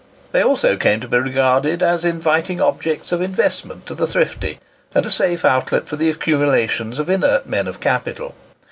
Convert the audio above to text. They also came to be regarded as inviting objects of investment to the thrifty, and a safe outlet for the accumulations of inert men of capital.